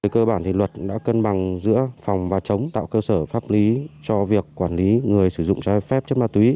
cơ bản thì luật đã cân bằng giữa phòng và chống tạo cơ sở pháp lý cho việc quản lý người sử dụng trái phép chất ma túy